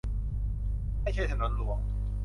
ไม่ใช่ถนนหลวง